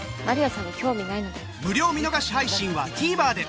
無料見逃し配信は ＴＶｅｒ で